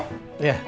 terima kasih ki